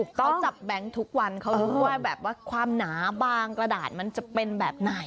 เขาจับแบงค์ทุกวันเขารู้ว่าแบบว่าความหนาบางกระดาษมันจะเป็นแบบไหน